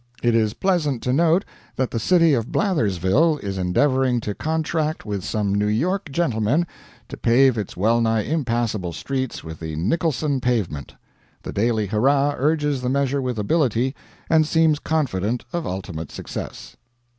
It is pleasant to note that the city of Blathersville is endeavoring to contract with some New York gentlemen to pave its well nigh impassable streets with the Nicholson pavement. The Daily Hurrah urges the measure with ability, and seems confident of ultimate success.